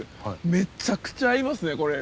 めちゃくちゃ合いますねこれ。